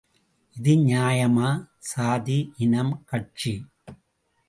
இது நியாயமா, சாதி, இனம், கட்சி?